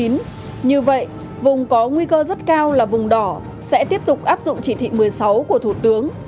như vậy vùng có nguy cơ rất cao là vùng đỏ sẽ tiếp tục áp dụng chỉ thị một mươi sáu của thủ tướng